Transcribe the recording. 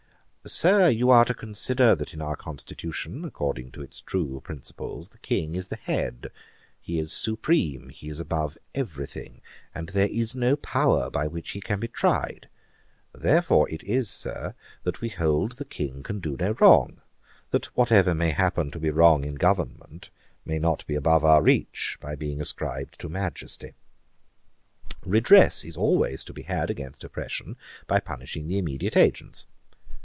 'Sir, you are to consider, that in our constitution, according to its true principles, the King is the head; he is supreme; he is above every thing, and there is no power by which he can be tried. Therefore, it is, Sir, that we hold the King can do no wrong; that whatever may happen to be wrong in government may not be above our reach, by being ascribed to Majesty. Redress is always to be had against oppression, by punishing the immediate agents.